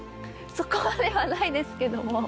そこまではないですけども。